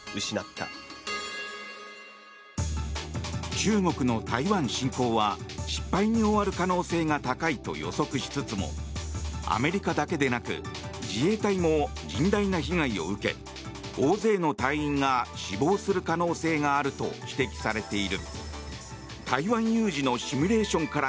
中国の台湾進攻は失敗に終わる可能性が高いと予測しつつもアメリカだけでなく自衛隊も甚大な被害を受け大勢の隊員が死亡する可能性があると指摘されている。